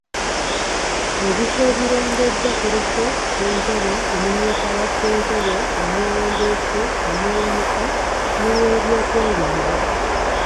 Ebifo ebirondeddwa kuliko; Ssentebe, Omumyuka wa ssentebe, Omuwandiisi, Omuwanika, n'Oweebyokwerinda.